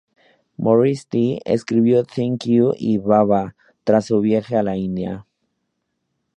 Morissette escribió "Thank You" y "Baba" tras su viaje a la India.